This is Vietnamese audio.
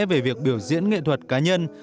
về việc biểu diễn nghệ thuật cá nhân